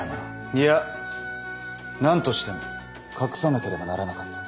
いや何としても隠さなければならなかった。